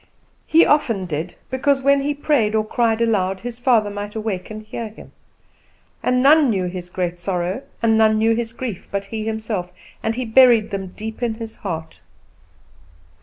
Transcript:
He often did, because, when he prayed or cried aloud, his father might awake and hear him; and none knew his great sorrow, and none knew his grief, but he himself, and he buried them deep in his heart.